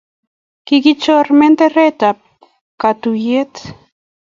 Kokichor menderet ab katuyet